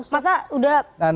masa sudah koalisi dua belas bulan